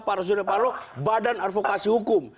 pak suryapalo badan advokasi hukum